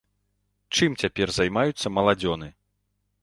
Чым цяпер займаюцца маладзёны?